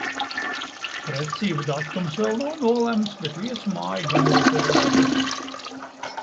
Precību datums vēl nav nolemts, bet viesu māja gan reervēta!